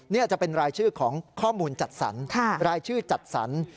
นี่จะเป็นรายชื่อของข้อมูลจัดสรรรายชื่อจัดสรร